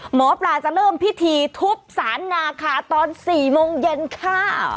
หมอปลาจะเริ่มพิธีทุบสารนาคาตอน๔โมงเย็นค่ะ